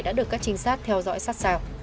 đã được các chính xác theo dõi sát sạc